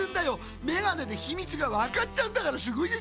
メガネでひみつがわかっちゃうんだからすごいでしょ？